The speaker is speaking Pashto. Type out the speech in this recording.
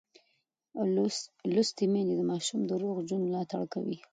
لوستې میندې د ماشوم د روغ ژوند ملاتړ کوي.